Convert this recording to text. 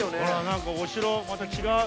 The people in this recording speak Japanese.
何かお城また違う。